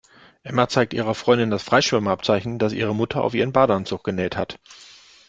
Emma zeigt ihrer Freundin das Freischwimmer-Abzeichen, das ihre Mutter auf ihren Badeanzug genäht hat.